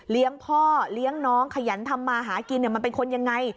พ่อเลี้ยงน้องขยันทำมาหากินมันเป็นคนยังไง